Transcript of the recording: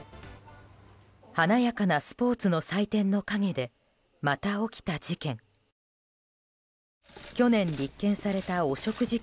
華やかなスポーツの祭典の陰でまた起きた事件。